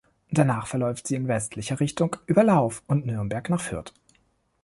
Danach verläuft sie in westlicher Richtung über Lauf und Nürnberg nach Fürth.